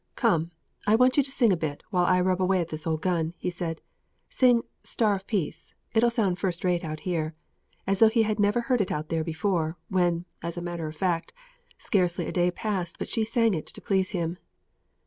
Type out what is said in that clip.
"Come, I want you to sing a bit, while I rub away at this old gun," he said. "Sing 'Star of Peace'; it'll sound first rate out here;" as though he had never heard it out there before, when, as a matter of fact, scarcely a day passed but she sang it to please him.